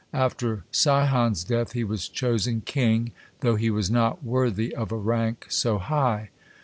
After Sihon's death he was chosen king, though he was not worthy of a rank so high.